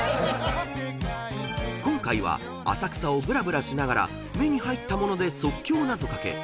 ［今回は浅草をぶらぶらしながら目に入ったもので即興なぞかけ］